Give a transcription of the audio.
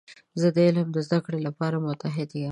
زه د علم د زده کړې لپاره متعهد یم.